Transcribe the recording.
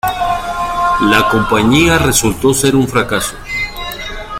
La Compañía resultó ser un fracaso.